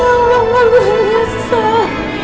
ya allah ma gue nyesel